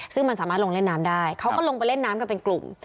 ซึ่งมันสามารถลงเล่นน้ำได้เขาก็ลงไปเล่นน้ำกันเป็นกลุ่ม